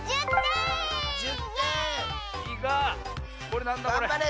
これなんだこれ。